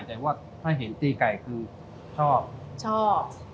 แต่ว่าถ้าเห็นตีไก่คือชอบชอบ